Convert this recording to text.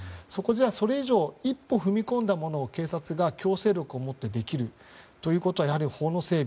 それ以上一歩踏み込んだものを警察が強制力を持ってできるということは法の整備